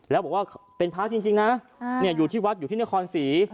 แล้วบอกว่าเป็นพระจริงนะอยู่ที่วัดอยู่ที่นครศรี